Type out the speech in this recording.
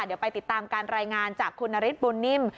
เดี๋ยวไปติดตามการรายงานจากคุณนฤทธบุญนิ่ม